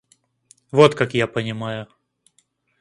Вот как я понимаю.